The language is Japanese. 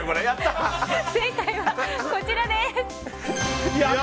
正解はこちらです。